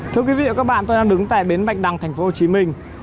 thưa quý vị và các bạn tôi đang đứng tại bến bạch đăng thành phố hồ chí minh